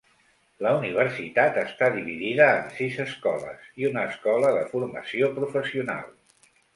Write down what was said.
La universitat està dividida en sis escoles i una escola de formació professional.